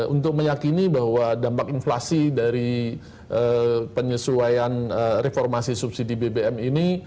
untuk meyakini bahwa dampak inflasi dari penyesuaian reformasi subsidi bbm ini